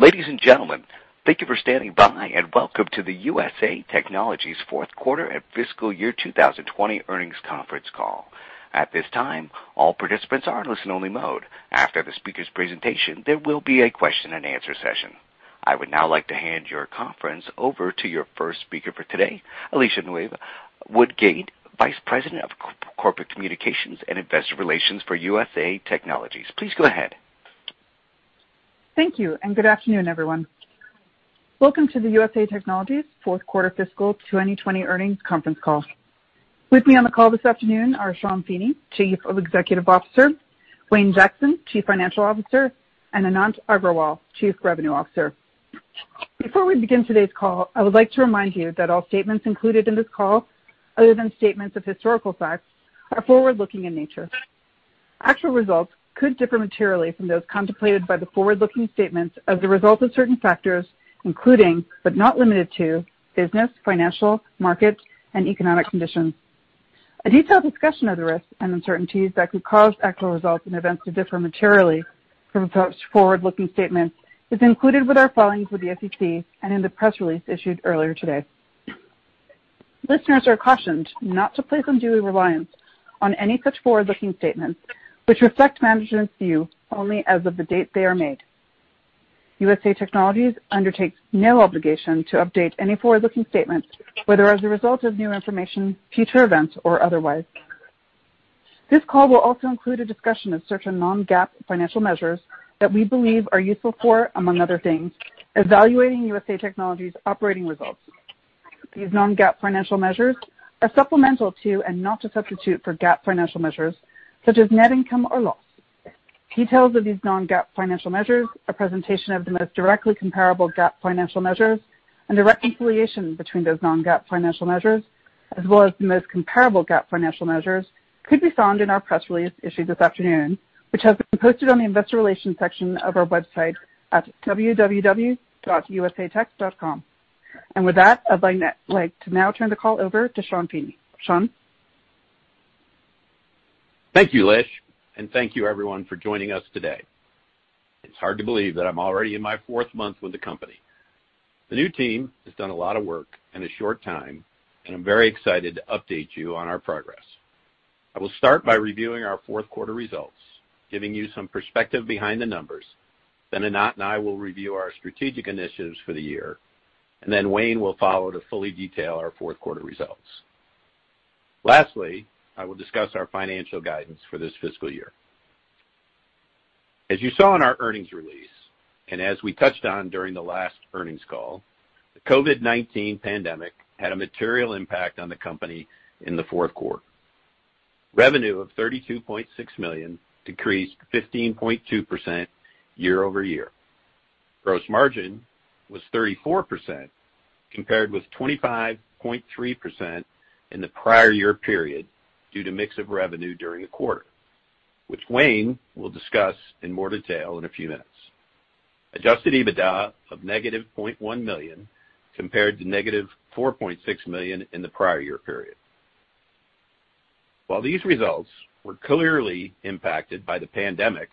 Ladies and gentlemen, thank you for standing by and welcome to the USA Technologies fourth quarter and fiscal year 2020 earnings conference call. At this time, all participants are in listen only mode. After the speaker's presentation, there will be a question and answer session. I would now like to hand your conference over to your first speaker for today, Alicia Nieva-Woodgate, Vice President of Corporate Communications and Investor Relations for USA Technologies. Please go ahead. Thank you, and good afternoon, everyone. Welcome to the USA Technologies fourth quarter fiscal 2020 earnings conference call. With me on the call this afternoon are Sean Feeney, Chief Executive Officer, Wayne Jackson, Chief Financial Officer, and Anant Agrawal, Chief Revenue Officer. Before we begin today's call, I would like to remind you that all statements included in this call, other than statements of historical facts, are forward-looking in nature. Actual results could differ materially from those contemplated by the forward-looking statements as a result of certain factors, including, but not limited to business, financial, market, and economic conditions. A detailed discussion of the risks and uncertainties that could cause actual results and events to differ materially from such forward-looking statements is included with our filings with the SEC and in the press release issued earlier today. Listeners are cautioned not to place undue reliance on any such forward-looking statements, which reflect management's view only as of the date they are made. USA Technologies undertakes no obligation to update any forward-looking statements, whether as a result of new information, future events, or otherwise. This call will also include a discussion of certain non-GAAP financial measures that we believe are useful for, among other things, evaluating USA Technologies' operating results. These non-GAAP financial measures are supplemental to and not a substitute for GAAP financial measures such as net income or loss. Details of these non-GAAP financial measures are presentation of the most directly comparable GAAP financial measures and the reconciliation between those non-GAAP financial measures, as well as the most comparable GAAP financial measures, could be found in our press release issued this afternoon, which has been posted on the investor relations section of our website at www.usatech.com. With that, I'd like to now turn the call over to Sean Feeney. Sean? Thank you, Lish. Thank you everyone for joining us today. It's hard to believe that I'm already in my fourth month with the company. The new team has done a lot of work in a short time, and I'm very excited to update you on our progress. I will start by reviewing our fourth quarter results, giving you some perspective behind the numbers. Anant and I will review our strategic initiatives for the year, and then Wayne will follow to fully detail our fourth quarter results. Lastly, I will discuss our financial guidance for this fiscal year. As you saw in our earnings release, and as we touched on during the last earnings call, the COVID-19 pandemic had a material impact on the company in the fourth quarter. Revenue of $32.6 million decreased 15.2% year-over-year. Gross margin was 34%, compared with 25.3% in the prior year period due to mix of revenue during the quarter, which Wayne will discuss in more detail in a few minutes. Adjusted EBITDA of negative $0.1 million compared to negative $4.6 million in the prior year period. While these results were clearly impacted by the pandemic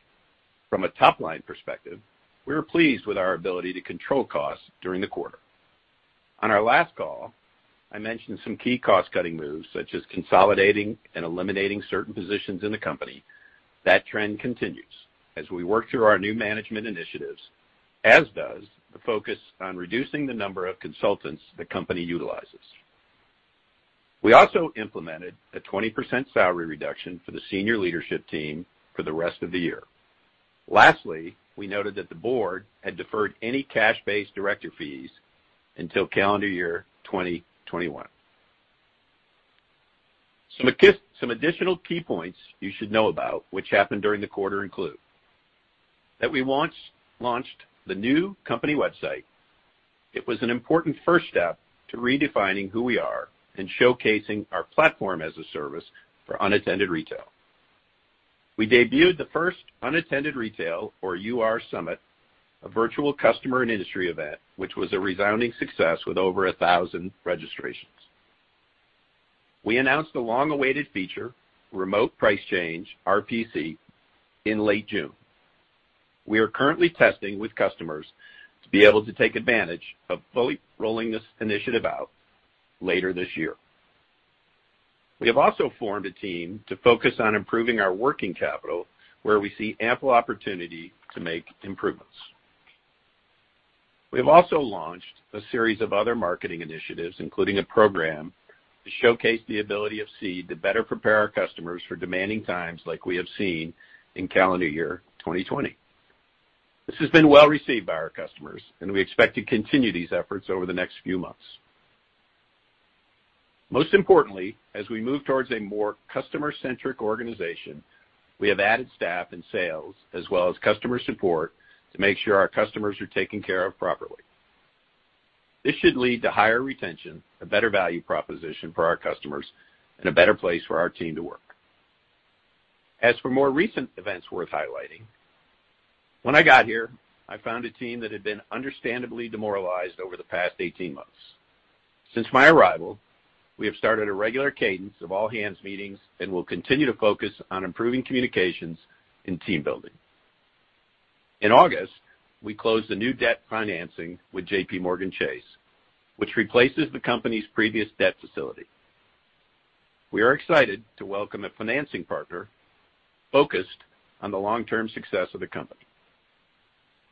from a top-line perspective, we were pleased with our ability to control costs during the quarter. On our last call, I mentioned some key cost-cutting moves, such as consolidating and eliminating certain positions in the company. That trend continues as we work through our new management initiatives, as does the focus on reducing the number of consultants the company utilizes. We also implemented a 20% salary reduction for the senior leadership team for the rest of the year. Lastly, we noted that the board had deferred any cash-based director fees until calendar year 2021. Some additional key points you should know about, which happened during the quarter, include that we launched the new company website. It was an important first step to redefining who we are and showcasing our Platform as a Service for unattended retail. We debuted the first Unattended Retail, or UR, Summit, a virtual customer and industry event, which was a resounding success with over 1,000 registrations. We announced the long-awaited feature, Remote Price Change, RPC, in late June. We are currently testing with customers to be able to take advantage of fully rolling this initiative out later this year. We have also formed a team to focus on improving our working capital, where we see ample opportunity to make improvements. We have also launched a series of other marketing initiatives, including a program to showcase the ability of Seed to better prepare our customers for demanding times like we have seen in calendar year 2020. This has been well-received by our customers, and we expect to continue these efforts over the next few months. Most importantly, as we move towards a more customer-centric organization, we have added staff in sales as well as customer support to make sure our customers are taken care of properly. This should lead to higher retention, a better value proposition for our customers, and a better place for our team to work. As for more recent events worth highlighting, when I got here, I found a team that had been understandably demoralized over the past 18 months. Since my arrival, we have started a regular cadence of all-hands meetings and will continue to focus on improving communications and team building. In August, we closed the new debt financing with JP Morgan Chase, which replaces the company's previous debt facility. We are excited to welcome a financing partner focused on the long-term success of the company.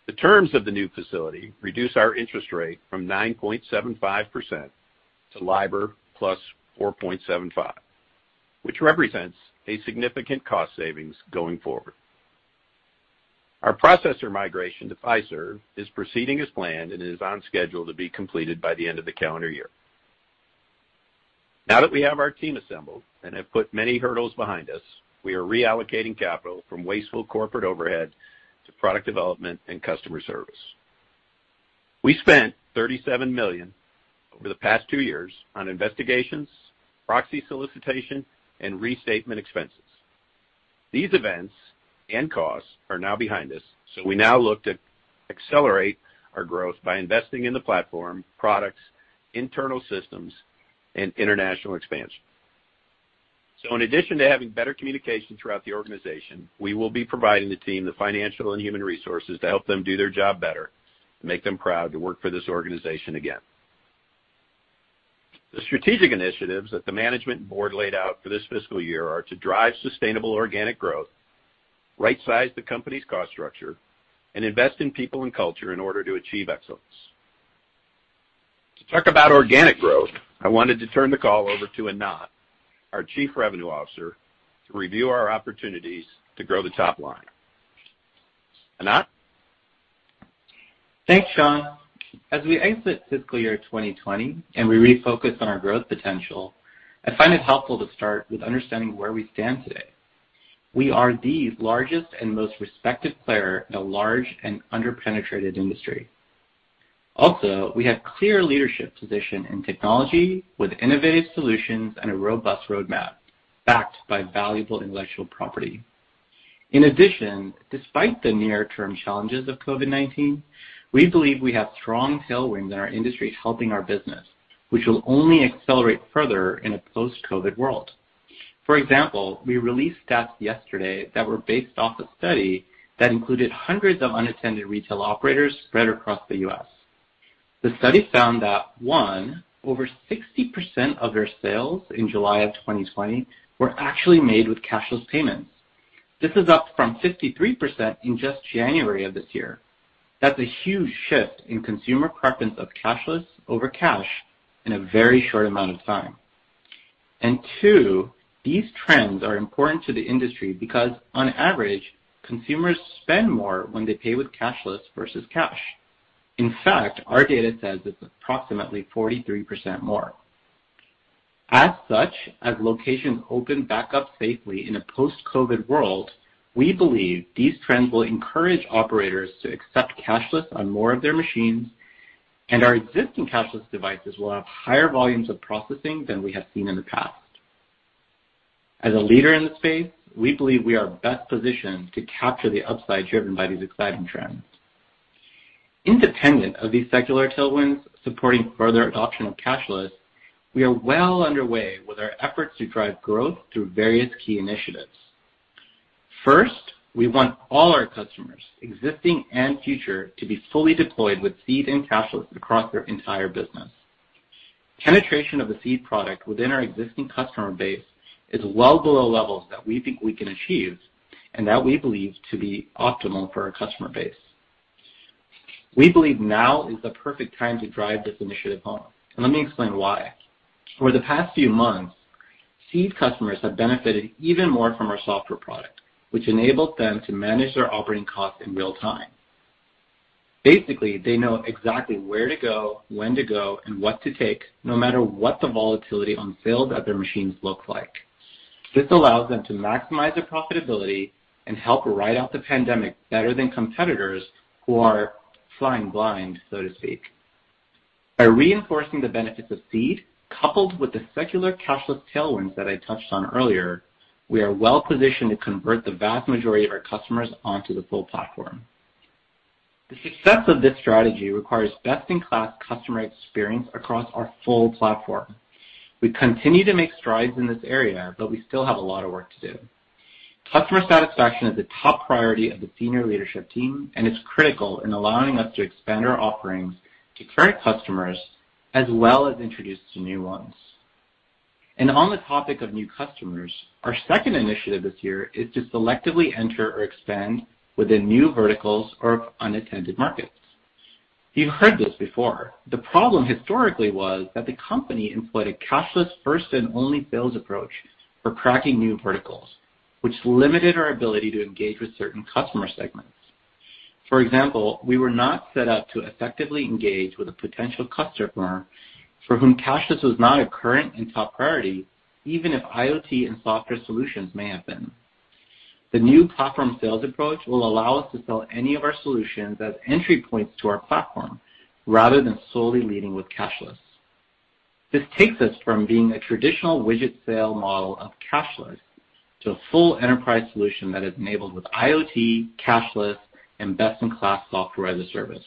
The terms of the new facility reduce our interest rate from nine point seven five percent to LIBOR plus four point seven five, which represents a significant cost savings going forward. Our processor migration to Fiserv is proceeding as planned and is on schedule to be completed by the end of the calendar year. We have our team assembled and have put many hurdles behind us, we are reallocating capital from wasteful corporate overhead to product development and customer service. We spent $37 million over the past two years on investigations, proxy solicitation, and restatement expenses. These events and costs are now behind us, so we now look to accelerate our growth by investing in the platform, products, internal systems, and international expansion. In addition to having better communication throughout the organization, we will be providing the team the financial and human resources to help them do their job better and make them proud to work for this organization again. The strategic initiatives that the management board laid out for this fiscal year are to drive sustainable organic growth, right-size the company's cost structure, and invest in people and culture in order to achieve excellence. To talk about organic growth, I wanted to turn the call over to Anant, our Chief Revenue Officer, to review our opportunities to grow the top line. Anant? Thanks, Sean. As we exit FY 2020 and we refocus on our growth potential, I find it helpful to start with understanding where we stand today. We are the largest and most respected player in a large and under-penetrated industry. Also, we have clear leadership position in technology with innovative solutions and a robust roadmap backed by valuable intellectual property. In addition, despite the near-term challenges of COVID-19, we believe we have strong tailwinds in our industry helping our business, which will only accelerate further in a post-COVID world. For example, we released stats yesterday that were based off a study that included hundreds of unattended retail operators spread across the U.S. The study found that, one, over 60% of their sales in July of 2020 were actually made with cashless payments. This is up from 53% in just January of this year. That's a huge shift in consumer preference of cashless over cash in a very short amount of time. Two, these trends are important to the industry because, on average, consumers spend more when they pay with cashless versus cash. In fact, our data says it's approximately 43% more. As such, as locations open back up safely in a post-COVID-19 world, we believe these trends will encourage operators to accept cashless on more of their machines, and our existing cashless devices will have higher volumes of processing than we have seen in the past. As a leader in the space, we believe we are best positioned to capture the upside driven by these exciting trends. Independent of these secular tailwinds supporting further adoption of cashless, we are well underway with our efforts to drive growth through various key initiatives. First, we want all our customers, existing and future, to be fully deployed with Seed and cashless across their entire business. Penetration of the Seed product within our existing customer base is well below levels that we think we can achieve and that we believe to be optimal for our customer base. We believe now is the perfect time to drive this initiative home, and let me explain why. Over the past few months, Seed customers have benefited even more from our software product, which enabled them to manage their operating costs in real time. Basically, they know exactly where to go, when to go, and what to take, no matter what the volatility on sales at their machines look like. This allows them to maximize their profitability and help ride out the pandemic better than competitors who are flying blind, so to speak. By reinforcing the benefits of Seed, coupled with the secular cashless tailwinds that I touched on earlier, we are well positioned to convert the vast majority of our customers onto the full platform. The success of this strategy requires best-in-class customer experience across our full platform. We continue to make strides in this area, but we still have a lot of work to do. Customer satisfaction is a top priority of the senior leadership team, and it's critical in allowing us to expand our offerings to current customers as well as introduce to new ones. On the topic of new customers, our second initiative this year is to selectively enter or expand within new verticals or unattended markets. You've heard this before. The problem historically was that the company employed a cashless first and only sales approach for cracking new verticals, which limited our ability to engage with certain customer segments. For example, we were not set up to effectively engage with a potential customer for whom cashless was not a current and top priority, even if IoT and software solutions may have been. The new platform sales approach will allow us to sell any of our solutions as entry points to our platform rather than solely leading with cashless. This takes us from being a traditional widget sale model of cashless to a full enterprise solution that is enabled with IoT, cashless, and best-in-class Software as a Service.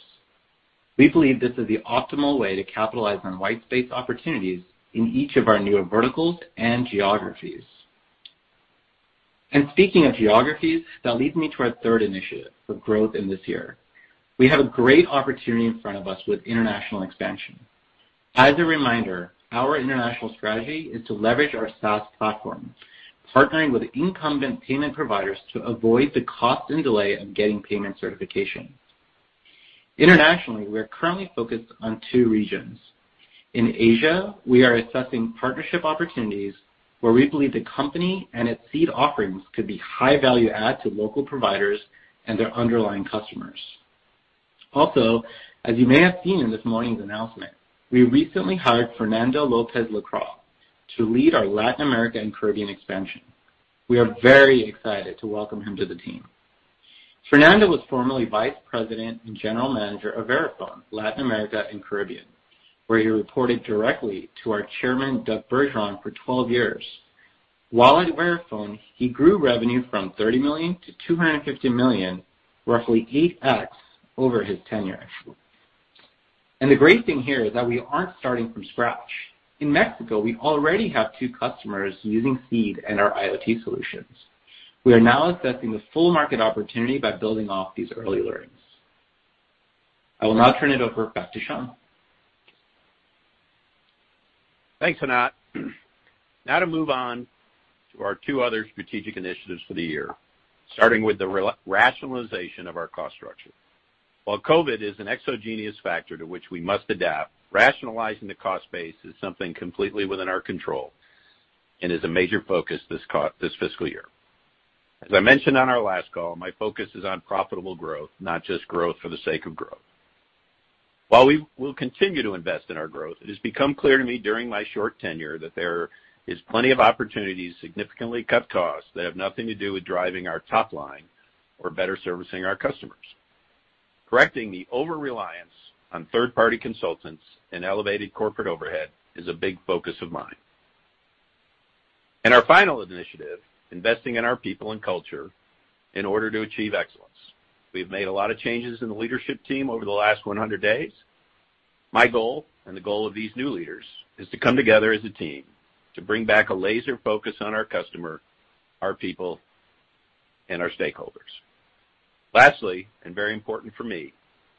We believe this is the optimal way to capitalize on white space opportunities in each of our newer verticals and geographies. Speaking of geographies, that leads me to our third initiative for growth in this year. We have a great opportunity in front of us with international expansion. As a reminder, our international strategy is to leverage our SaaS platform, partnering with incumbent payment providers to avoid the cost and delay of getting payment certification. Internationally, we are currently focused on two regions. In Asia, we are assessing partnership opportunities where we believe the company and its Seed offerings could be high value add to local providers and their underlying customers. As you may have seen in this morning's announcement, we recently hired Fernando Lopez-Lacroix to lead our Latin America and Caribbean expansion. We are very excited to welcome him to the team. Fernando was formerly Vice President and General Manager of Verifone, Latin America and Caribbean, where he reported directly to our Chairman, Doug Bergeron, for 12 years. While at Verifone, he grew revenue from $30 million to $250 million, roughly eight times over his tenure. The great thing here is that we aren't starting from scratch. In Mexico, we already have two customers using Seed and our IoT solutions. We are now assessing the full market opportunity by building off these early learnings. I will now turn it over back to Sean. Thanks, Anant. To move on to our two other strategic initiatives for the year, starting with the rationalization of our cost structure. While COVID-19 is an exogenous factor to which we must adapt, rationalizing the cost base is something completely within our control and is a major focus this fiscal year. As I mentioned on our last call, my focus is on profitable growth, not just growth for the sake of growth. While we will continue to invest in our growth, it has become clear to me during my short tenure that there is plenty of opportunities to significantly cut costs that have nothing to do with driving our top line or better servicing our customers. Correcting the over-reliance on third-party consultants and elevated corporate overhead is a big focus of mine. Our final initiative, investing in our people and culture in order to achieve excellence. We've made a lot of changes in the leadership team over the last 100 days. My goal and the goal of these new leaders is to come together as a team to bring back a laser focus on our customer, our people, and our stakeholders. Lastly, and very important for me,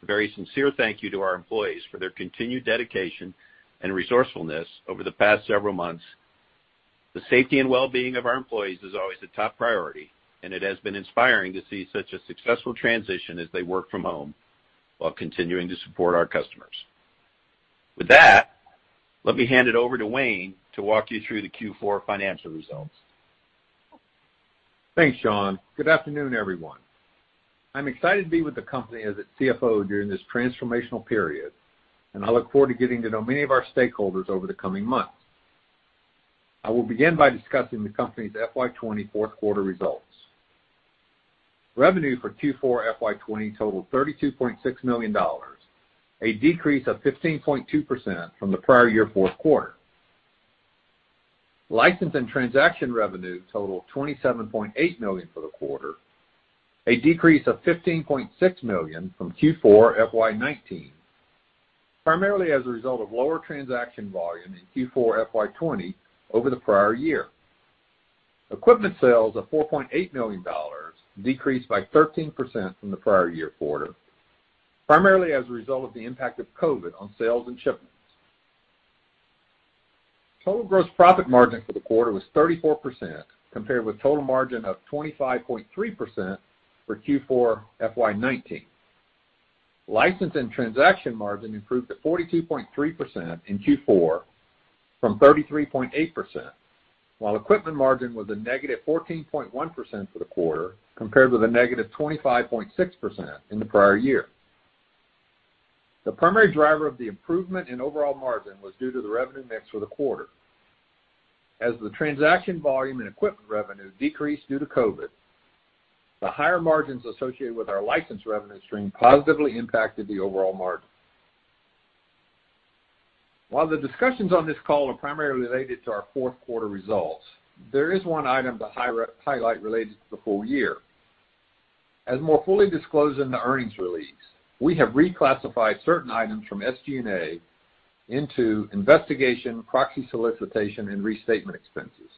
a very sincere thank you to our employees for their continued dedication and resourcefulness over the past several months. The safety and wellbeing of our employees is always a top priority, and it has been inspiring to see such a successful transition as they work from home while continuing to support our customers. With that, let me hand it over to Wayne to walk you through the Q4 financial results. Thanks, Sean. Good afternoon, everyone. I'm excited to be with the company as its CFO during this transformational period, and I look forward to getting to know many of our stakeholders over the coming months. I will begin by discussing the company's FY 2020 fourth quarter results. Revenue for Q4 FY 2020 totaled $32.6 million, a decrease of 15.2% from the prior year fourth quarter. License and transaction revenue totaled $27.8 million for the quarter, a decrease of $15.6 million from Q4 FY 2019, primarily as a result of lower transaction volume in Q4 FY 2020 over the prior year. Equipment sales of $4.8 million decreased by 13% from the prior year quarter, primarily as a result of the impact of COVID-19 on sales and shipments. Total gross profit margin for the quarter was 34%, compared with total margin of 25.3% for Q4 FY 2019. License and transaction margin improved to 42.3% in Q4 from 33.8%, while equipment margin was a negative 14.1% for the quarter, compared with a negative 25.6% in the prior year. The primary driver of the improvement in overall margin was due to the revenue mix for the quarter. As the transaction volume and equipment revenue decreased due to COVID-19, the higher margins associated with our license revenue stream positively impacted the overall margin. While the discussions on this call are primarily related to our fourth quarter results, there is one item to highlight related to the full year. As more fully disclosed in the earnings release, we have reclassified certain items from SG&A into investigation, proxy solicitation, and restatement expenses.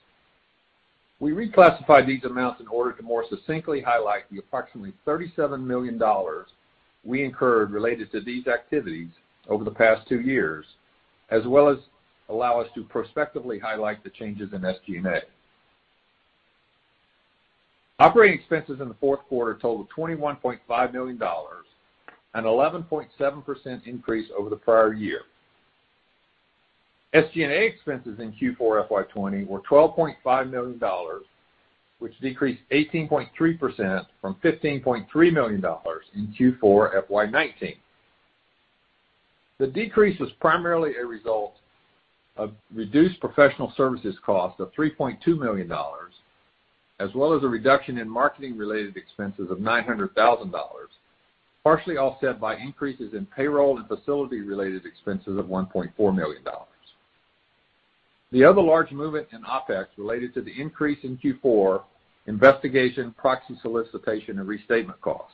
We reclassified these amounts in order to more succinctly highlight the approximately $37 million we incurred related to these activities over the past two years, as well as allow us to prospectively highlight the changes in SG&A. Operating expenses in the fourth quarter totaled $21.5 million, an 11.7% increase over the prior year. SG&A expenses in Q4 FY 2020 were $12.5 million, which decreased 18.3% from $15.3 million in Q4 FY 2019. The decrease was primarily a result of reduced professional services cost of $3.2 million, as well as a reduction in marketing-related expenses of $900,000. Partially offset by increases in payroll and facility-related expenses of $1.4 million. The other large movement in OpEx related to the increase in Q4 investigation, proxy solicitation, and restatement costs.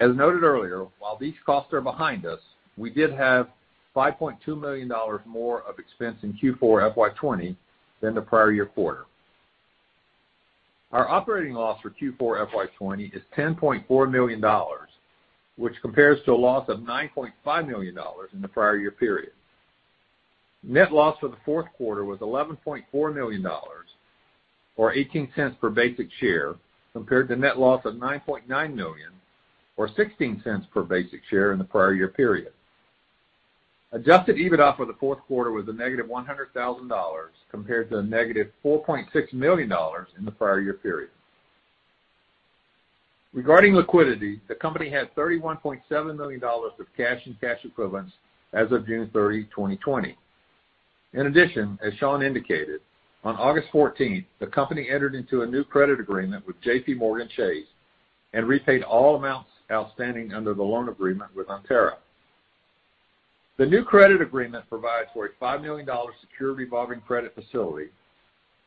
As noted earlier, while these costs are behind us, we did have $5.2 million more of expense in Q4 FY 2020 than the prior year quarter. Our operating loss for Q4 FY 2020 is $10.4 million, which compares to a loss of $9.5 million in the prior year period. Net loss for the fourth quarter was $11.4 million, or $0.18 per basic share, compared to net loss of $9.9 million, or $0.16 per basic share in the prior year period. Adjusted EBITDA for the fourth quarter was a negative $100,000, compared to a negative $4.6 million in the prior year period. Regarding liquidity, the company had $31.7 million of cash and cash equivalents as of June 30, 2020. In addition, as Sean indicated, on August 14, the company entered into a new credit agreement with JP Morgan Chase and repaid all amounts outstanding under the loan agreement with Antara. The new credit agreement provides for a $5 million secured revolving credit facility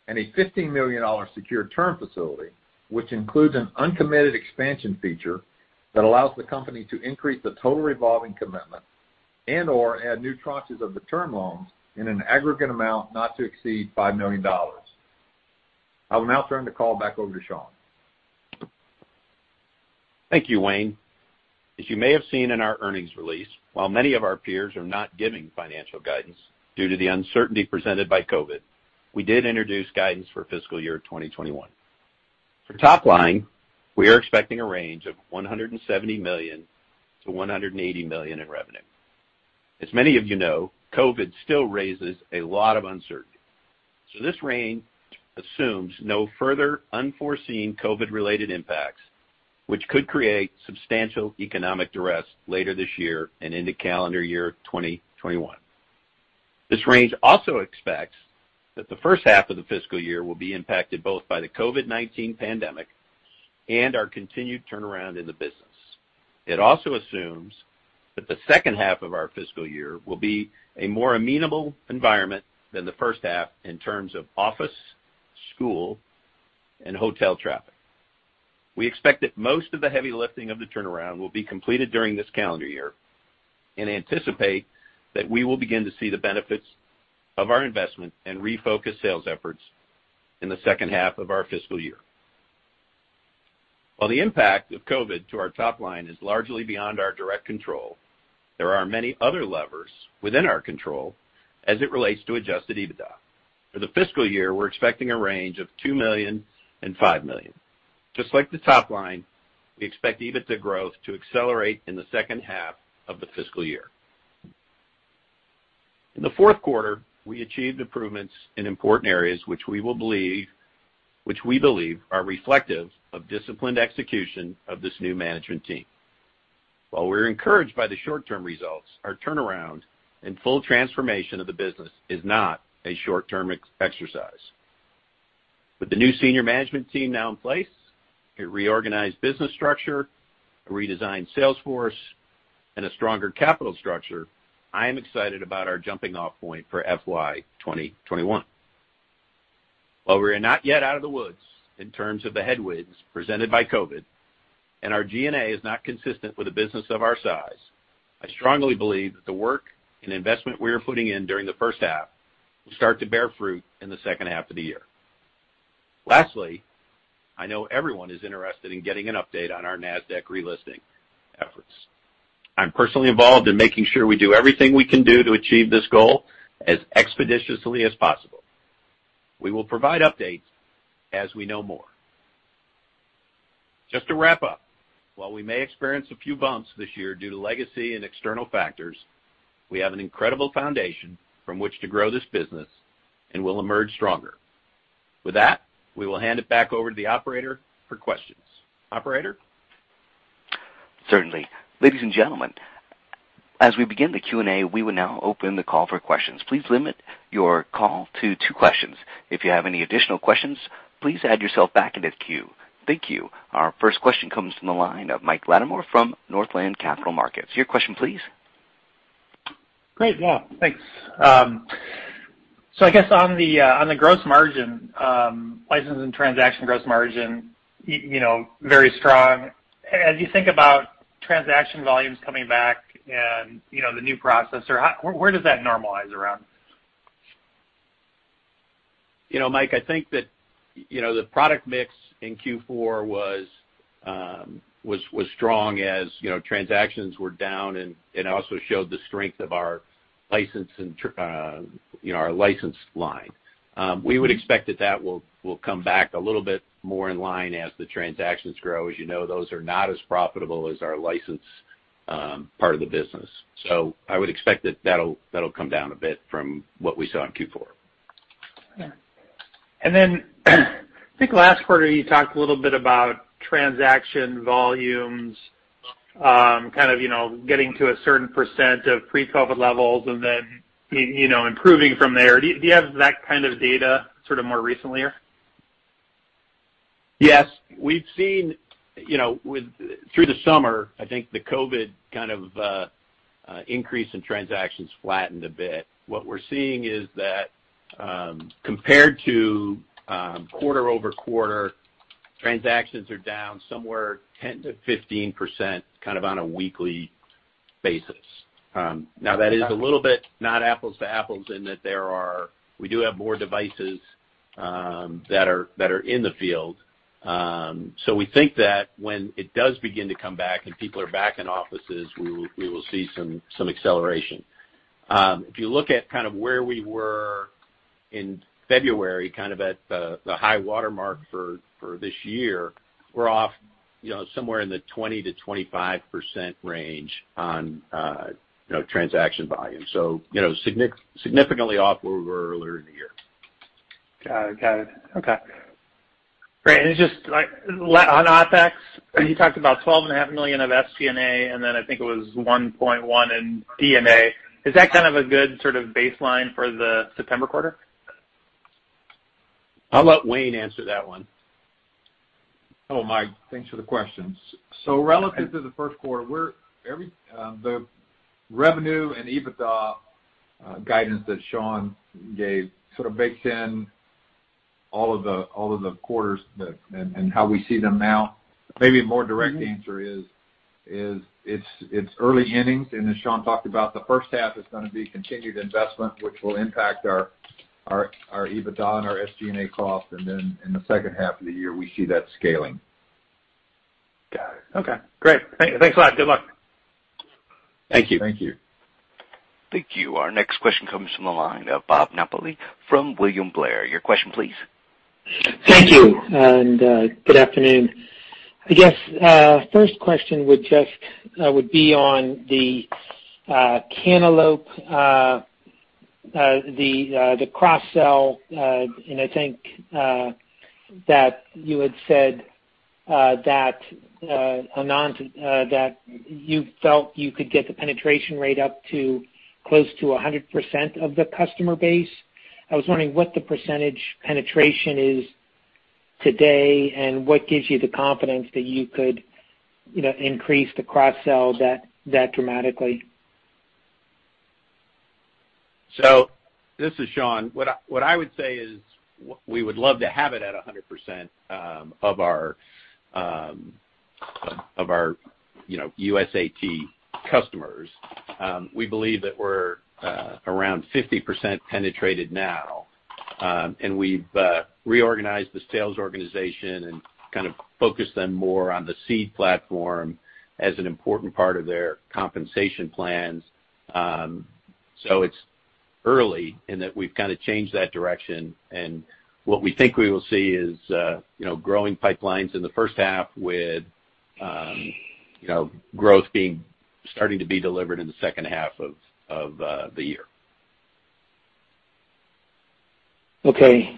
and a $15 million secured term facility, which includes an uncommitted expansion feature that allows the company to increase the total revolving commitment and/or add new tranches of the term loans in an aggregate amount not to exceed $5 million. I will now turn the call back over to Sean. Thank you, Wayne. As you may have seen in our earnings release, while many of our peers are not giving financial guidance due to the uncertainty presented by COVID, we did introduce guidance for fiscal year 2021. For top line, we are expecting a range of $170 million to $180 million in revenue. As many of you know, COVID still raises a lot of uncertainty. This range assumes no further unforeseen COVID-related impacts, which could create substantial economic duress later this year and into calendar year 2021. This range also expects that the first half of the fiscal year will be impacted both by the COVID-19 pandemic and our continued turnaround in the business. It also assumes that the second half of our fiscal year will be a more amenable environment than the first half in terms of office, school, and hotel traffic. We expect that most of the heavy lifting of the turnaround will be completed during this calendar year and anticipate that we will begin to see the benefits of our investment and refocused sales efforts in the second half of our fiscal year. While the impact of COVID-19 to our top line is largely beyond our direct control, there are many other levers within our control as it relates to adjusted EBITDA. For the fiscal year, we're expecting a range of $2 million and $5 million. Just like the top line, we expect EBITDA growth to accelerate in the second half of the fiscal year. In the fourth quarter, we achieved improvements in important areas which we believe are reflective of disciplined execution of this new management team. While we're encouraged by the short-term results, our turnaround and full transformation of the business is not a short-term exercise. With the new senior management team now in place, a reorganized business structure, a redesigned sales force, and a stronger capital structure, I am excited about our jumping-off point for FY 2021. While we are not yet out of the woods in terms of the headwinds presented by COVID-19, and our G&A is not consistent with a business of our size, I strongly believe that the work and investment we are putting in during the first half will start to bear fruit in the second half of the year. Lastly, I know everyone is interested in getting an update on our NASDAQ relisting efforts. I'm personally involved in making sure we do everything we can do to achieve this goal as expeditiously as possible. We will provide updates as we know more. Just to wrap up, while we may experience a few bumps this year due to legacy and external factors, we have an incredible foundation from which to grow this business and will emerge stronger. With that, we will hand it back over to the operator for questions. Operator? Certainly. Ladies and gentlemen, as we begin the Q&A, we will now open the call for questions. Please limit your call to two questions. If you have any additional questions, please add yourself back into the queue. Thank you. Our first question comes from the line of Michael Latimore from Northland Capital Markets. Your question, please. Great. Yeah, thanks. I guess on the gross margin, license and transaction gross margin, very strong. As you think about transaction volumes coming back and the new processor, where does that normalize around? Mike, I think that the product mix in Q4 was strong as transactions were down and also showed the strength of our licensed line. We would expect that will come back a little bit more in line as the transactions grow. As you know, those are not as profitable as our licensed part of the business. I would expect that'll come down a bit from what we saw in Q4. Yeah. Then I think last quarter you talked a little bit about transaction volumes, kind of getting to a certain percent of pre-COVID levels and then improving from there. Do you have that kind of data sort of more recently? Yes. Through the summer, I think the COVID kind of increase in transactions flattened a bit. What we're seeing is that compared to quarter-over-quarter, transactions are down somewhere 10% to 15% kind of on a weekly basis. Now that is a little bit not apples to apples, in that we do have more devices that are in the field. We think that when it does begin to come back and people are back in offices, we will see some acceleration. If you look at where we were in February, kind of at the high water mark for this year, we're off somewhere in the 20% to 25% range on transaction volume. Significantly off where we were earlier in the year. Got it. Okay. Great. Just on OpEx, you talked about $12.5 million of SG&A, and then I think it was $1.1 in D&A. Is that kind of a good sort of baseline for the September quarter? I'll let Wayne answer that one. Hello, Mike. Thanks for the questions. Relative to the first quarter, the revenue and EBITDA guidance that Sean gave sort of bakes in all of the quarters and how we see them now. Maybe a more direct answer is, it's early innings, and as Sean talked about, the first half is going to be continued investment, which will impact our EBITDA and our SG&A cost. Then in the second half of the year, we see that scaling. Got it. Okay, great. Thanks a lot. Good luck. Thank you. Thank you. Thank you. Our next question comes from the line of Robert Napoli from William Blair. Your question, please. Thank you, and good afternoon. I guess first question would be on the Cantaloupe, the cross-sell, and I think that you had said that you felt you could get the penetration rate up to close to 100% of the customer base. I was wondering what the percentage penetration is today, and what gives you the confidence that you could increase the cross-sell that dramatically? This is Sean. What I would say is we would love to have it at 100% of our USAT customers. We believe that we're around 50% penetrated now. We've reorganized the sales organization and kind of focused them more on the Seed platform as an important part of their compensation plans. It's early in that we've kind of changed that direction, and what we think we will see is growing pipelines in the first half with growth starting to be delivered in the second half of the year. Okay.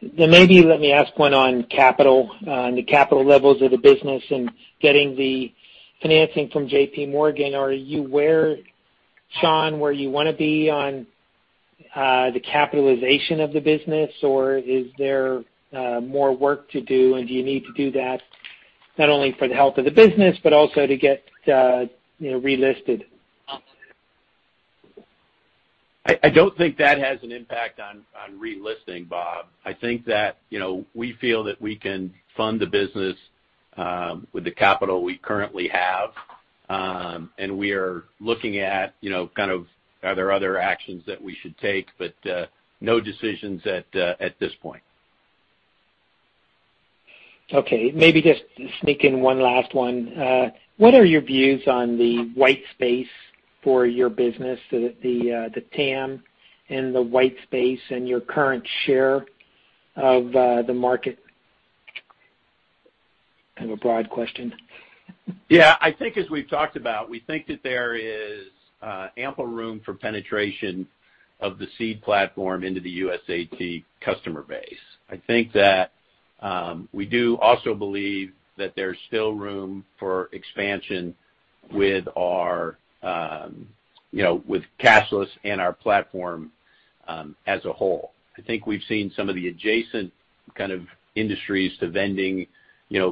Maybe let me ask one on capital, on the capital levels of the business and getting the financing from JPMorgan. Are you where, Sean, where you want to be on the capitalization of the business, or is there more work to do, and do you need to do that, not only for the health of the business, but also to get re-listed? I don't think that has an impact on re-listing, Bob. I think that we feel that we can fund the business with the capital we currently have. We are looking at kind of are there other actions that we should take, but no decisions at this point. Okay. Maybe just sneak in one last one. What are your views on the white space for your business, the TAM in the white space and your current share of the market? Kind of a broad question. Yeah. I think as we've talked about, we think that there is ample room for penetration of the Seed platform into the USAT customer base. I think that we do also believe that there's still room for expansion with cashless and our platform as a whole. I think we've seen some of the adjacent kind of industries to vending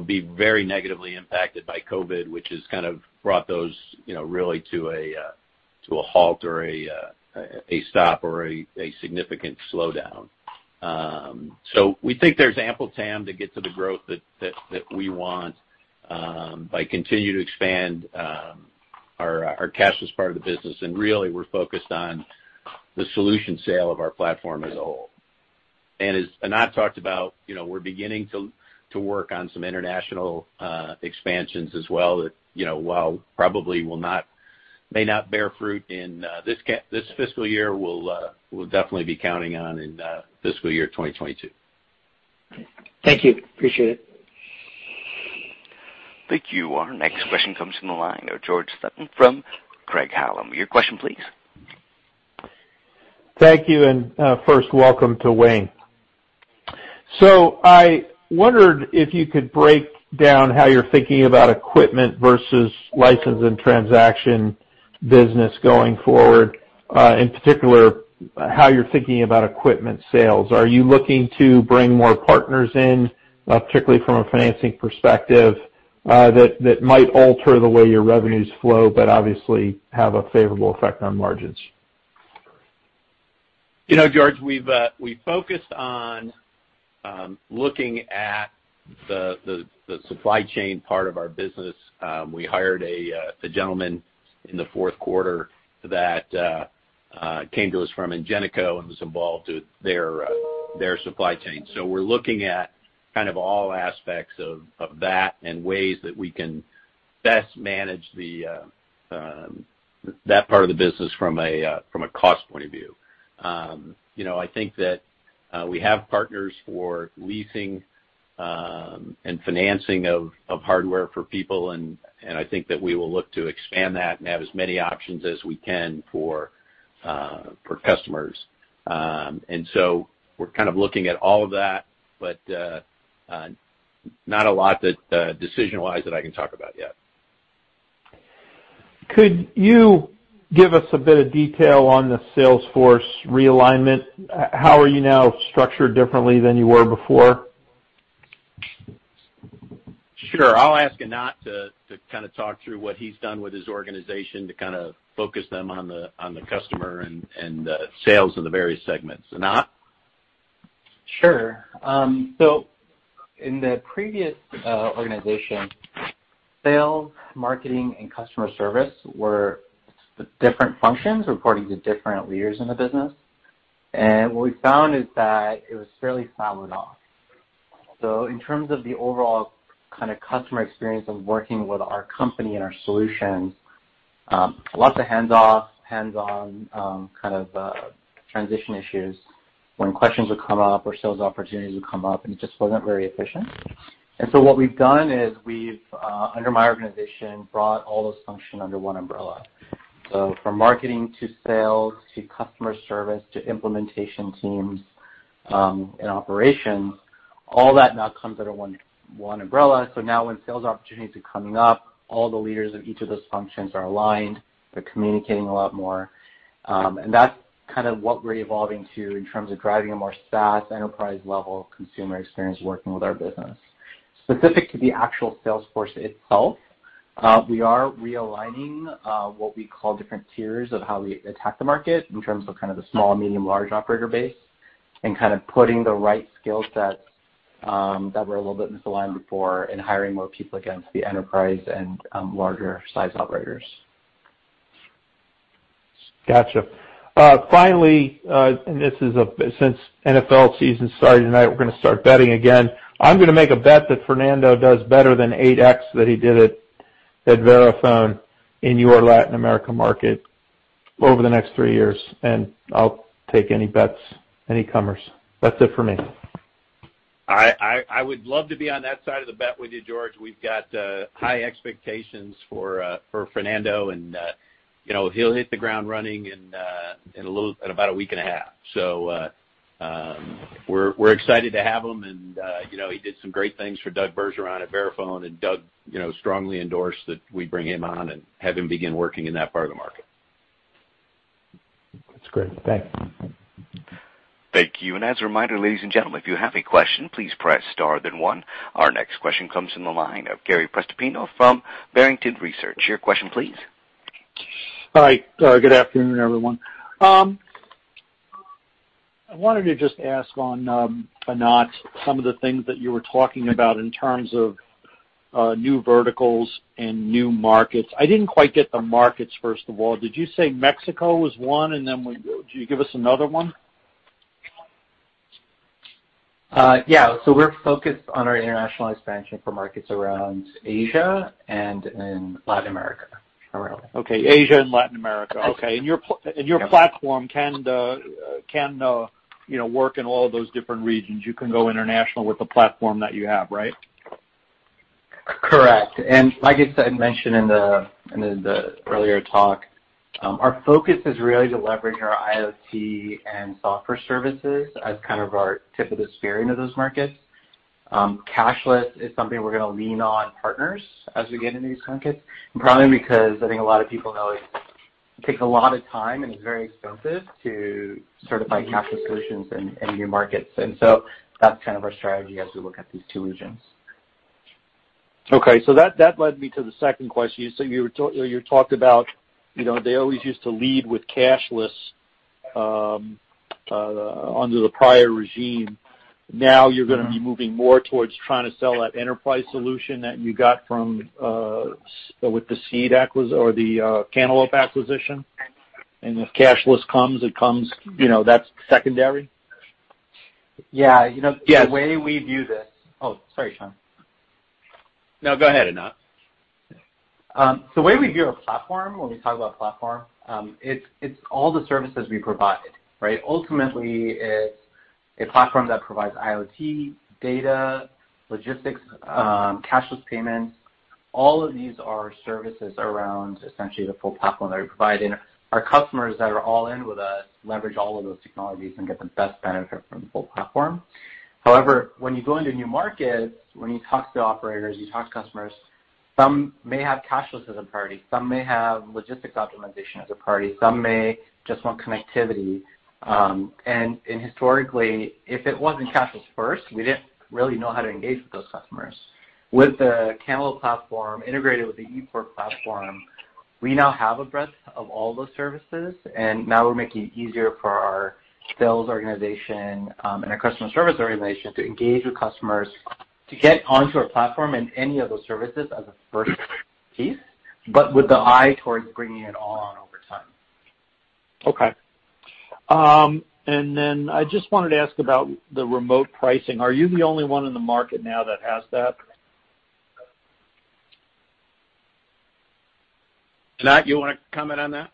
be very negatively impacted by COVID-19, which has kind of brought those really to a halt or a stop or a significant slowdown. We think there's ample TAM to get to the growth that we want by continuing to expand our cashless part of the business. Really, we're focused on the solution sale of our platform as a whole. As Anant talked about, we're beginning to work on some international expansions as well that, while probably may not bear fruit in this fiscal year, we'll definitely be counting on in fiscal year 2022. Thank you. Appreciate it. Thank you. Our next question comes from the line of George Sutton from Craig-Hallum. Your question, please. Thank you. First welcome to Wayne. I wondered if you could break down how you're thinking about equipment versus license and transaction business going forward, in particular, how you're thinking about equipment sales. Are you looking to bring more partners in, particularly from a financing perspective, that might alter the way your revenues flow, but obviously have a favorable effect on margins? George, we've focused on looking at the supply chain part of our business. We hired a gentleman in the fourth quarter that came to us from Ingenico and was involved with their supply chain. We're looking at all aspects of that and ways that we can best manage that part of the business from a cost point of view. I think that we have partners for leasing and financing of hardware for people, and I think that we will look to expand that and have as many options as we can for customers. We're looking at all of that, but not a lot that, decision-wise, that I can talk about yet. Could you give us a bit of detail on the sales force realignment? How are you now structured differently than you were before? Sure. I'll ask Anant to talk through what he's done with his organization to focus them on the customer and the sales of the various segments. Anant? Sure. In the previous organization, sales, marketing, and customer service were different functions reporting to different leaders in the business. What we found is that it was fairly siloed off. In terms of the overall customer experience of working with our company and our solutions, lots of hands-off, hands-on transition issues when questions would come up or sales opportunities would come up, and it just wasn't very efficient. What we've done is we've, under my organization, brought all those functions under one umbrella. From marketing to sales to customer service to implementation teams and operations, all that now comes under one umbrella. Now when sales opportunities are coming up, all the leaders of each of those functions are aligned. They're communicating a lot more. That's what we're evolving to in terms of driving a more SaaS enterprise-level consumer experience working with our business. Specific to the actual sales force itself, we are realigning what we call different tiers of how we attack the market in terms of the small, medium, large operator base, and putting the right skill sets that were a little bit misaligned before and hiring more people against the enterprise and larger-sized operators. Got you. Finally, since NFL season started tonight, we're going to start betting again. I'm going to make a bet that Fernando does better than eight X that he did at Verifone in your Latin America market over the next three years, I'll take any bets, any comers. That's it for me. I would love to be on that side of the bet with you, George. We've got high expectations for Fernando, and he'll hit the ground running in about a week and a half. We're excited to have him and he did some great things for Doug Bergeron at Verifone, and Doug strongly endorsed that we bring him on and have him begin working in that part of the market. That's great. Thanks. Thank you. As a reminder, ladies and gentlemen, if you have a question, please press star then one. Our next question comes from the line of Gary Prestopino from Barrington Research. Your question, please. Hi. Good afternoon, everyone. I wanted to just ask on, Anant, some of the things that you were talking about in terms of new verticals and new markets. I didn't quite get the markets, first of all. Did you say Mexico was one, and then could you give us another one? Yeah. We're focused on our international expansion for markets around Asia and in Latin America. Okay. Asia and Latin America. Okay. Your platform can work in all of those different regions. You can go international with the platform that you have, right? Correct. Like I mentioned in the earlier talk, our focus is really to leverage our IoT and software services as our tip of the spear into those markets. Cashless is something we're going to lean on partners as we get into these markets, primarily because I think a lot of people know it takes a lot of time and is very expensive to certify cashless solutions in new markets. That's our strategy as we look at these two regions. Okay. That led me to the second question. You talked about they always used to lead with cashless under the prior regime. You're going to be moving more towards trying to sell that enterprise solution that you got with the Cantaloupe acquisition? If cashless comes, that's secondary? Yeah. The way we view this. Oh, sorry, Sean. No, go ahead, Anant. The way we view our platform, when we talk about platform, it's all the services we provide, right? Ultimately, it's a platform that provides IoT, data, logistics, cashless payments. All of these are services around essentially the full platform that we provide, and our customers that are all in with us leverage all of those technologies and get the best benefit from the full platform. When you go into new markets, when you talk to operators, you talk to customers, some may have cashless as a priority, some may have logistics optimization as a priority, some may just want connectivity. Historically, if it wasn't cashless first, we didn't really know how to engage with those customers. With the Cantaloupe platform integrated with the ePort platform, we now have a breadth of all those services. Now we're making it easier for our sales organization and our customer service organization to engage with customers to get onto our platform and any of those services as a first piece, but with the eye towards bringing it all on over time. Okay. Then I just wanted to ask about the remote pricing. Are you the only one in the market now that has that? Nat, you want to comment on that?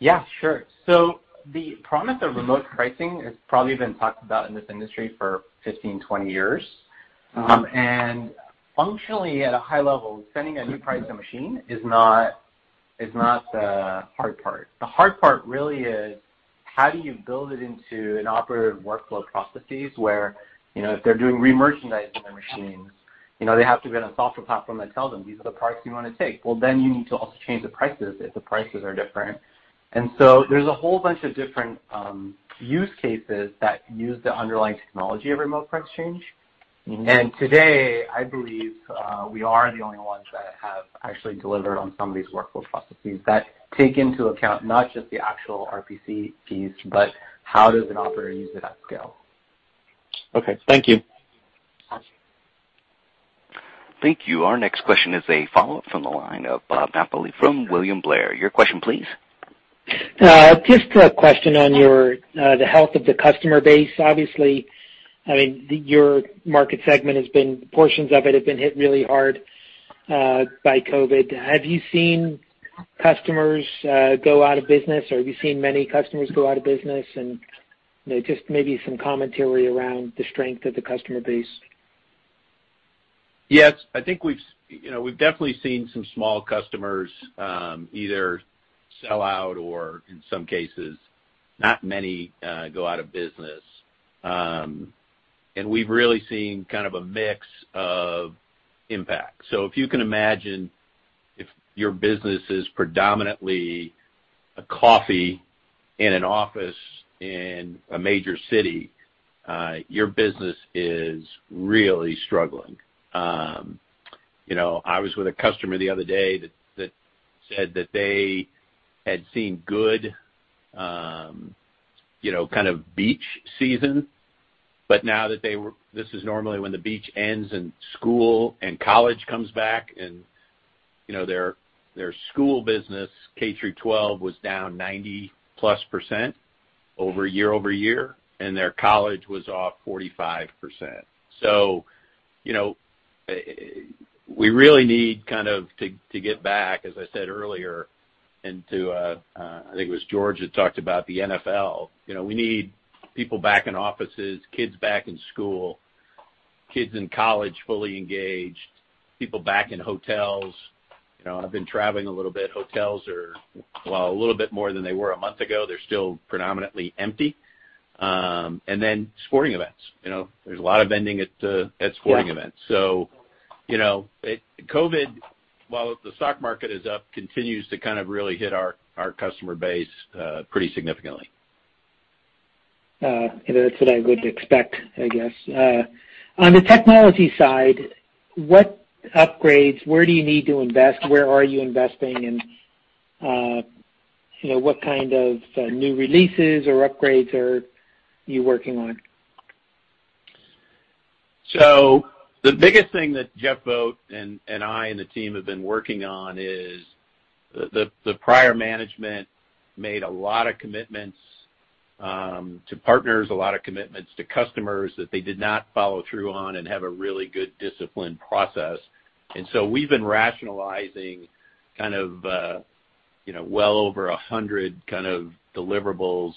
Yeah, sure. The promise of remote pricing has probably been talked about in this industry for 15, 20 years. Functionally, at a high level, sending a new price to a machine is not the hard part. The hard part really is how do you build it into an operative workflow processes, where if they're doing remerchandising their machines, they have to get a software platform that tells them, "These are the prices you want to take." Well, you need to also change the prices if the prices are different. There's a whole bunch of different use cases that use the underlying technology of Remote Price Change. Today, I believe, we are the only ones that have actually delivered on some of these workflow processes that take into account not just the actual RPC piece, but how does an operator use it at scale. Okay. Thank you. Thank you. Our next question is a follow-up from the line of Robert Napoli from William Blair. Your question, please. Just a question on the health of the customer base. Obviously, your market segment, portions of it have been hit really hard by COVID. Have you seen customers go out of business, or have you seen many customers go out of business? Just maybe some commentary around the strength of the customer base. Yes. I think we've definitely seen some small customers either sell out or in some cases, not many go out of business. We've really seen kind of a mix of impact. If you can imagine, if your business is predominantly a coffee in an office in a major city, your business is really struggling. I was with a customer the other day that said that they had seen good kind of beach season, but now this is normally when the beach ends and school and college comes back, and their school business K through 12 was down 90-plus% year-over-year, and their college was off 45%. We really need kind of to get back, as I said earlier, into I think it was George that talked about the NFL. We need people back in offices, kids back in school, kids in college fully engaged, people back in hotels. I've been traveling a little bit. Hotels are, while a little bit more than they were a month ago, they're still predominantly empty. Sporting events. There's a lot of vending at sporting events. COVID, while the stock market is up, continues to kind of really hit our customer base pretty significantly. That's what I would expect, I guess. On the technology side, what upgrades, where do you need to invest? Where are you investing and what kind of new releases or upgrades are you working on? The biggest thing that Jeff Boat and I and the team have been working on is the prior management made a lot of commitments to partners, a lot of commitments to customers that they did not follow through on and have a really good, disciplined process. We've been rationalizing well over 100 deliverables,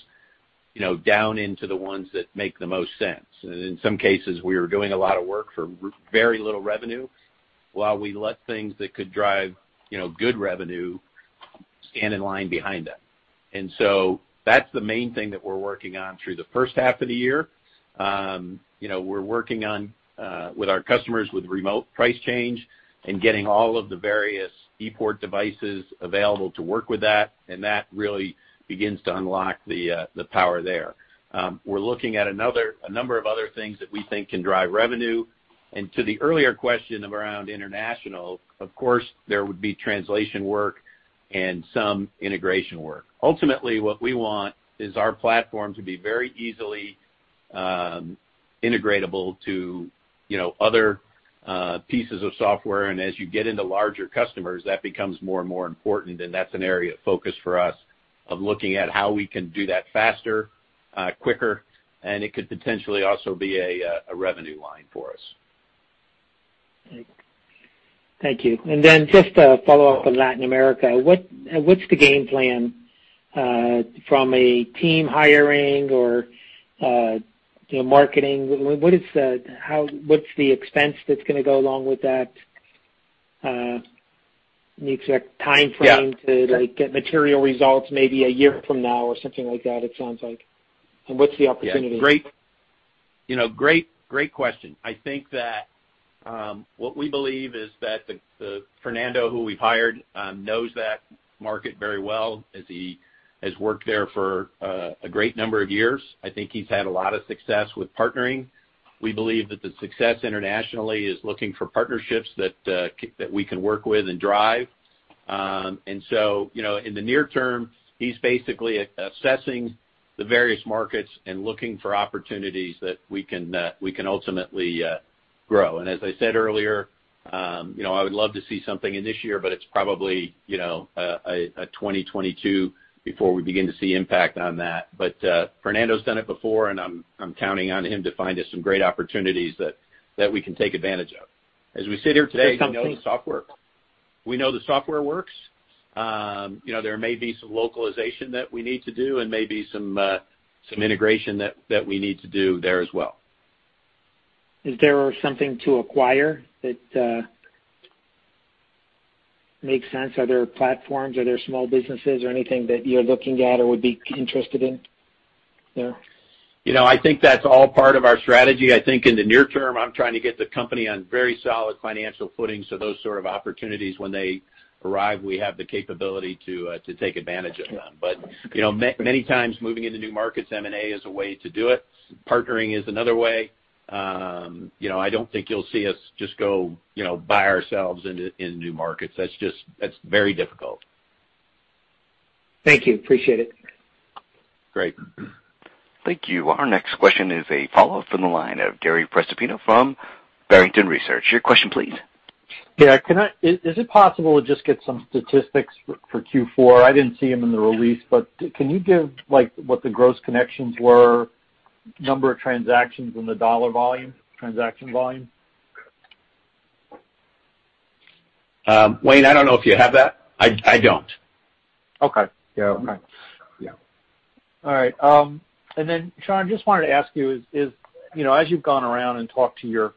down into the ones that make the most sense. In some cases, we were doing a lot of work for very little revenue while we let things that could drive good revenue stand in line behind them. That's the main thing that we're working on through the first half of the year. We're working on with our customers with Remote Price Change and getting all of the various ePort devices available to work with that, and that really begins to unlock the power there. We're looking at a number of other things that we think can drive revenue. To the earlier question of around international, of course, there would be translation work and some integration work. Ultimately, what we want is our platform to be very easily integratable to other pieces of software. As you get into larger customers, that becomes more and more important, and that's an area of focus for us of looking at how we can do that faster, quicker, and it could potentially also be a revenue line for us. Thank you. Just a follow-up on Latin America, what's the game plan from a team hiring or marketing? What's the expense that's going to go along with that? An exact timeframe? to get material results, maybe a year from now or something like that, it sounds like. What's the opportunity? Great question. I think that what we believe is that Fernando, who we've hired, knows that market very well as he has worked there for a great number of years. I think he's had a lot of success with partnering. We believe that the success internationally is looking for partnerships that we can work with and drive. In the near term, he's basically assessing the various markets and looking for opportunities that we can ultimately grow. As I said earlier, I would love to see something in this year, but it's probably a 2022 before we begin to see impact on that. Fernando's done it before, and I'm counting on him to find us some great opportunities that we can take advantage of. As we sit here today, we know the software works. There may be some localization that we need to do and maybe some integration that we need to do there as well. Is there something to acquire that makes sense? Are there platforms, are there small businesses or anything that you're looking at or would be interested in there? I think that's all part of our strategy. I think in the near term, I'm trying to get the company on very solid financial footing. Those sort of opportunities, when they arrive, we have the capability to take advantage of them. Many times moving into new markets, M&A is a way to do it. Partnering is another way. I don't think you'll see us just go by ourselves in new markets. That's very difficult. Thank you. Appreciate it. Great. Thank you. Our next question is a follow-up from the line of Gary Prestopino from Barrington Research. Your question please. Yeah. Is it possible to just get some statistics for Q4? I didn't see them in the release, but can you give what the gross connections were, number of transactions, and the dollar volume, transaction volume? Wayne, I don't know if you have that. I don't. Okay. Yeah. All right. Sean, just wanted to ask you, as you've gone around and talked to your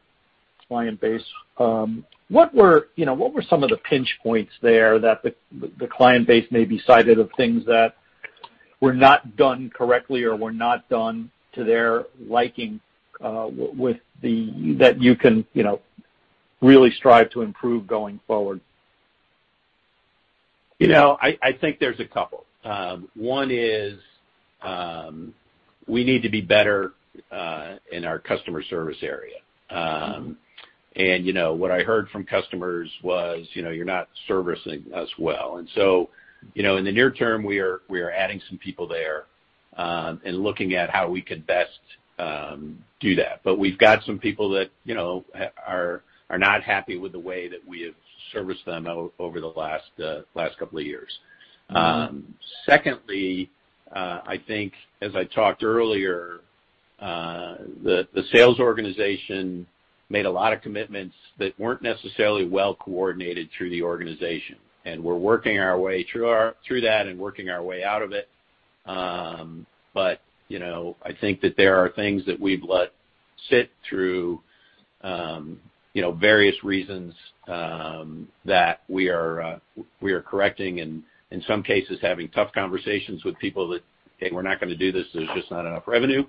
client base, what were some of the pinch points there that the client base maybe cited of things that were not done correctly or were not done to their liking that you can really strive to improve going forward? I think there's a couple. One is, we need to be better in our customer service area. What I heard from customers was, "You're not servicing us well." In the near term, we are adding some people there, and looking at how we could best do that. We've got some people that are not happy with the way that we have serviced them over the last couple of years. Secondly, I think as I talked earlier, the sales organization made a lot of commitments that weren't necessarily well-coordinated through the organization. We're working our way through that and working our way out of it. I think that there are things that we've let sit through various reasons, that we are correcting and in some cases, having tough conversations with people that, "Hey, we're not going to do this. There's just not enough revenue.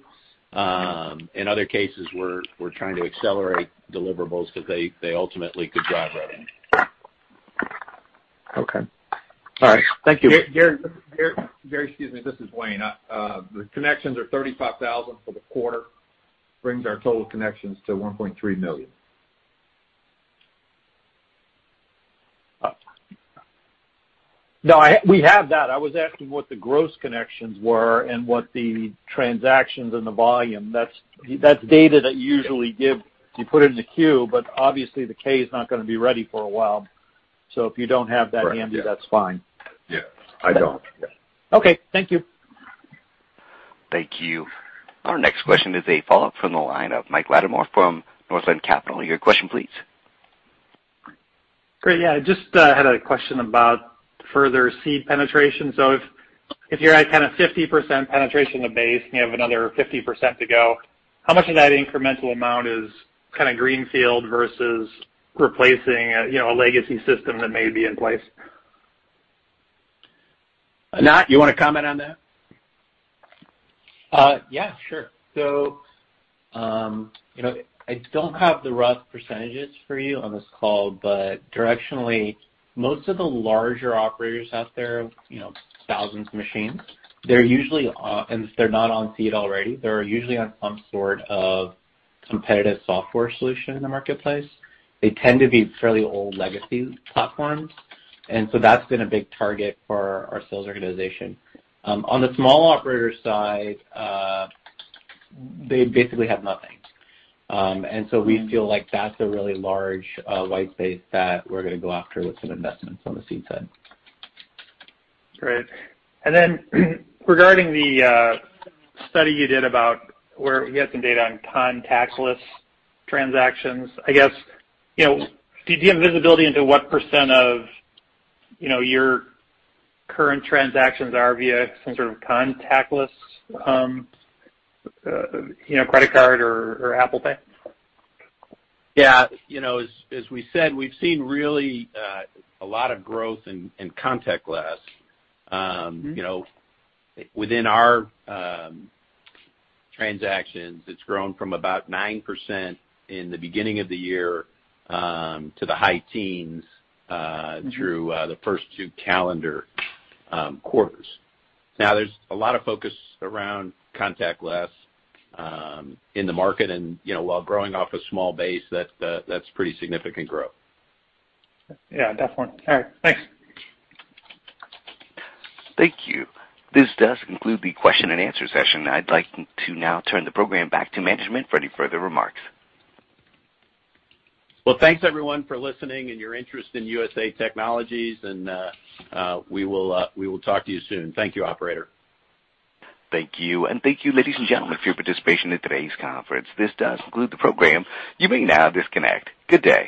In other cases, we're trying to accelerate deliverables because they ultimately could drive revenue. Okay. All right. Thank you. Gary- Gary, excuse me, this is Wayne. The connections are 35,000 for the quarter, brings our total connections to 1.3 million. No, we have that. I was asking what the gross connections were and what the transactions and the volume. That's data that you usually give. You put it in the Q, but obviously the K is not going to be ready for a while. If you don't have that handy, that's fine. Yeah. I don't. Yeah. Okay. Thank you. Thank you. Our next question is a follow-up from the line of Michael Latimore from Northland Capital. Your question please. Great. Yeah, just had a question about further Seed penetration. If you're at kind of 50% penetration of base and you have another 50% to go, how much of that incremental amount is kind of greenfield versus replacing a legacy system that may be in place? Anant, you want to comment on that? Yeah, sure. I don't have the rough percentages for you on this call, but directionally, most of the larger operators out there, thousands of machines, if they're not on Seed already, they're usually on some sort of competitive software solution in the marketplace. They tend to be fairly old legacy platforms. That's been a big target for our sales organization. On the small operator side, they basically have nothing. We feel like that's a really large white space that we're going to go after with some investments on the Seed side. Great. Regarding the study you did about where you had some data on contactless transactions. Did you have visibility into what percent of your current transactions are via some sort of contactless, credit card or Apple Pay? As we said, we've seen really a lot of growth in contactless. Within our transactions, it's grown from about nine percent in the beginning of the year, to the high teens. through the first two calendar quarters. There's a lot of focus around contactless in the market, and while growing off a small base, that's pretty significant growth. Yeah, definitely. All right, thanks. Thank you. This does conclude the question and answer session. I'd like to now turn the program back to management for any further remarks. Well, thanks everyone for listening and your interest in USA Technologies. We will talk to you soon. Thank you, operator. Thank you. Thank you, ladies and gentlemen, for your participation in today's conference. This does conclude the program. You may now disconnect. Good day.